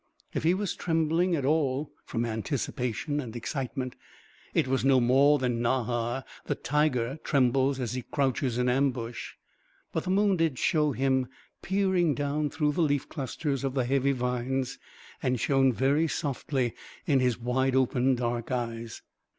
If he was trembling at all, from anticipation and excitement, it was no more than Nahar the tiger trembles as he crouches in ambush. But the moon did show him peering down through the leaf clusters of the heavy vines and shone very softly in his wide open dark eyes.